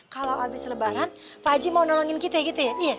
kalau habis lebaran pak haji mau nolongin kita gitu ya